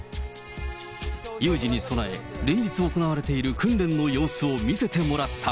有事に備え、連日行われている訓練の様子を見せてもらった。